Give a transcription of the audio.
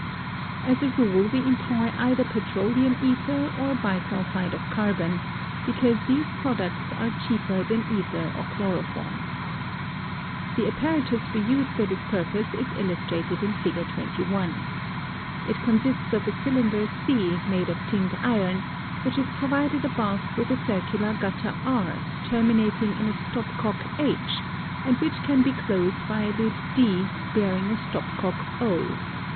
As a rule we employ either petroleum ether or bisulphide of carbon (see above, pp. 65, 66) because these products are cheaper than ether or chloroform. The apparatus we use for this purpose is illustrated in Fig. 21. It consists of a cylinder C made of tinned iron, which is provided above with a circular gutter R terminating in a stop cock h and which can be closed by a lid D bearing a stop cock o.